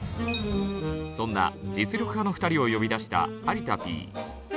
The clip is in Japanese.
そんな実力派の２人を呼び出した有田Ｐ。